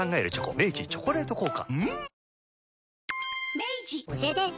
明治「チョコレート効果」